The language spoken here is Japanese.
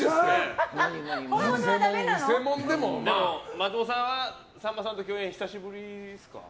松本さんはさんまさんと共演久しぶりですか？